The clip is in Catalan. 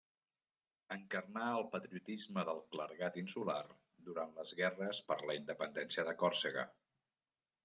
Encarnà el patriotisme del clergat insular durant les guerres per la independència de Còrsega.